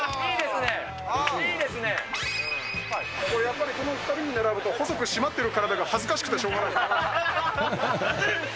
やっぱりこの２人に並ぶと、細く締まってる体が恥ずかしくてしょうがない。